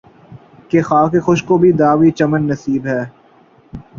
کہ خارِ خشک کو بھی دعویِ چمن نسبی ہے